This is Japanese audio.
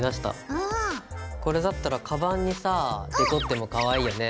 これだったらカバンにさデコってもかわいいよね。